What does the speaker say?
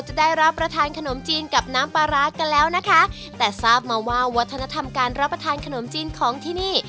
จะได้รับประทานขนมจีนกับน้ำปลาร้ากันแล้วนะคะแต่ทราบมาว่าวัฒนธรรมการรับประทานขนมจีนของที่นี่